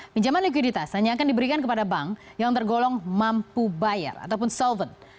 pinjaman likuiditas hanya akan diberikan kepada bank yang tergolong mampu bayar ataupun solven